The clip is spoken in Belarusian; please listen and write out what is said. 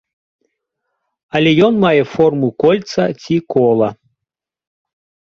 Але ён мае форму кольца, ці кола.